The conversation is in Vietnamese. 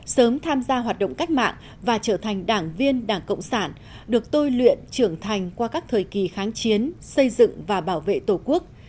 sớm tham gia hoạt động cách mạng và trở thành đảng viên đảng cộng sản được tôi luyện trưởng thành qua các thời kỳ kháng chiến xây dựng và bảo vệ tổ quốc